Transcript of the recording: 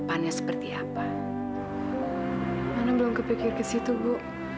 saya pikir ke situ bu